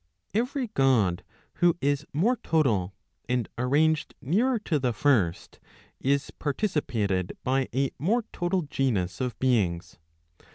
Every God who is more total, and arranged nearer to the first, is participated by a more total genus of beings.